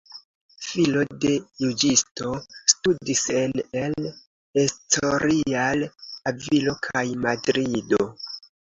Filo de juĝisto, studis en El Escorial, Avilo kaj Madrido.